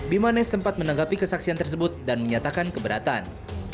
bimanesh sempat menanggapi kesaksian tersebut dan menyatakan keberatan